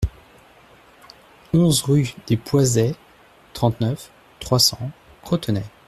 onze rue des Poisets, trente-neuf, trois cents, Crotenay